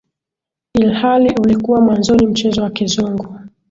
Ilhali ulikuwa mwanzoni mchezo wa kizungu